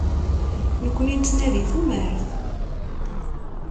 Nekkni nettnadi tumert.